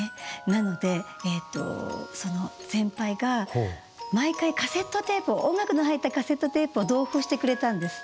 なのでその先輩が毎回音楽の入ったカセットテープを同封してくれたんです。